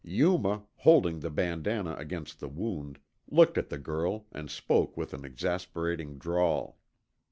Yuma, holding the bandanna against the wound, looked at the girl and spoke with an exasperating drawl.